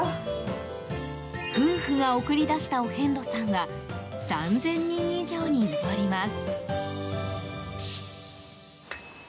夫婦が送り出したお遍路さんは３０００人以上に上ります。